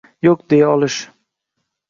“Yo‘q” deya olish.